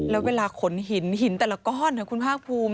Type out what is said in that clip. แล้วเวลาขนหินหินแต่ละก้อนคุณภาคภูมิ